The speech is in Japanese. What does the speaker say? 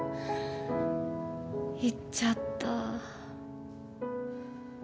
言っちゃった。